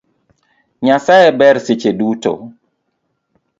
Nyasaye ber seche duto